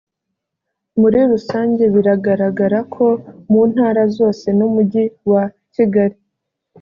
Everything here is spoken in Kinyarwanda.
muri rusange biragaragara ko mu ntara zose n umujyi wa kigali